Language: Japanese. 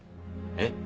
えっ。